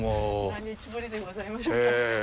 何日ぶりでございましょうか。